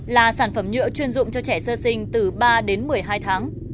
là sản phẩm nhựa chuyên dụng cho trẻ sơ sinh từ ba đến một mươi hai tháng